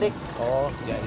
nungguin nasi mateng